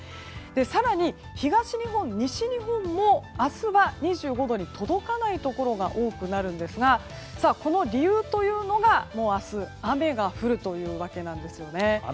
更に東日本、西日本も明日は２５度に届かないところが多くなるんですがこの理由というのが明日、雨が降るというわけなんですよね。